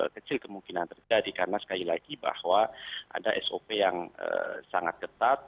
kecil kemungkinan terjadi karena sekali lagi bahwa ada sop yang sangat ketat